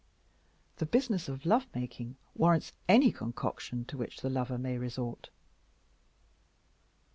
The business of love making warrants any concoction to which the lover may resort.